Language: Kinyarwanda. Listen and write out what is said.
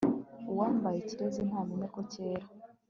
uwambaye ikirezi ntamenya ko cyera